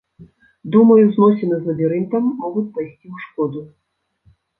Думаю, зносіны з лабірынтам могуць пайсці ў шкоду.